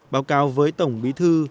báo cáo với tổng bí thư